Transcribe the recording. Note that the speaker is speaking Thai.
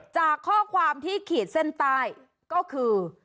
จากข้อความที่ขีดเส้นใต้ก็คือ